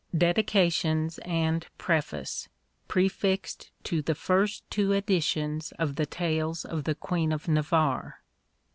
DEDICATIONS AND PREFACE, PREFIXED TO THE FIRST TWO EDITIONS OF THE TALES OF THE QUEEN OF NAVARRE.